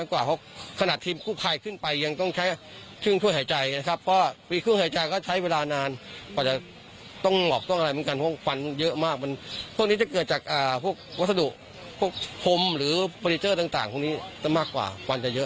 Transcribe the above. วันนี้จะเกิดจากวัสดุโพมหรือบรยายเทอร์ต่างมักกว่าเวลาเยอะ